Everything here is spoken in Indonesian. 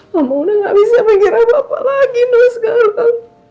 mama udah gak bisa mengira apa apa lagi nino sekarang